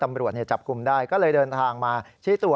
ตำรวจจับกลุ่มได้ก็เลยเดินทางมาชี้ตัว